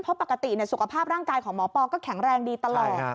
เพราะปกติสุขภาพร่างกายของหมอปอก็แข็งแรงดีตลอด